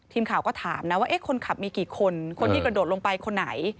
ทีมข่าวก็ถามนะว่าคนขับมีกี่คนคนที่กระโดดลงไปคนไหน